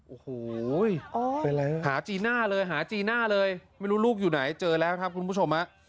โอ้โหหาจีน่าเลยหาจีน่าเลยไม่รู้ลูกอยู่ไหนเจอแล้วครับคุณผู้ชมฮะ